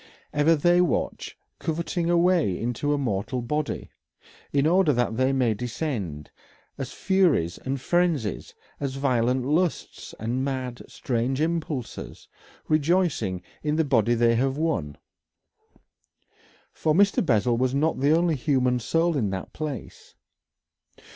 Ever they watch, coveting a way into a mortal body, in order that they may descend, as furies and frenzies, as violent lusts and mad, strange impulses, rejoicing in the body they have won. For Mr. Bessel was not the only human soul in that place.